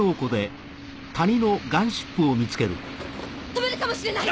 飛べるかもしれない！